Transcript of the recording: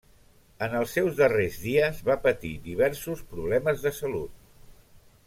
En els seus darrers dies va patir diversos problemes de salut.